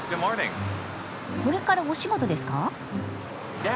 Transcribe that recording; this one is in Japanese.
これからお仕事ですか？